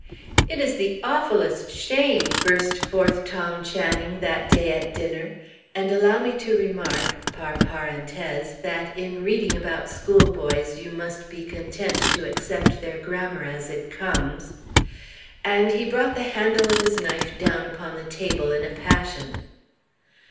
"It's the awfullest shame!" burst forth Tom Channing that day at dinner (and allow me to remark, par parenthèse, that, in reading about schoolboys, you must be content to accept their grammar as it comes); and he brought the handle of his knife down upon the table in a passion.